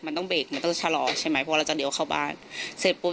มันต้องเบรกมันต้องชะลอใช่ไหมเพราะเราจะเลี้ยวเข้าบ้านเสร็จปุ๊บ